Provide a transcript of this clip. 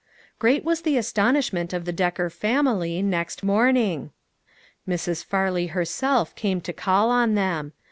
Great was the astonishment of the Decker family, next morning. Mrs. Farley herself came to call on them.